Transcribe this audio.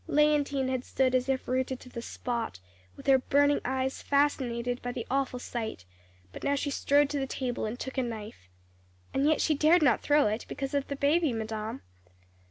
"Léontine had stood as if rooted to the spot, with her burning eyes fascinated by the awful sight; but now she strode to the table, and took a knife. And yet she dared not throw it, because of the baby, madame.